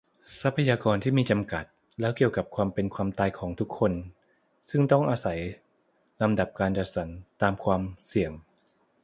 ทรัพยากรที่มีจำกัด และเกี่ยวกับความเป็นความตายของคนทุกคน ซึ่งต้องอาศัยลำดับการจัดสรรตามความเสี่ยง